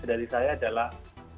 dari saya adalah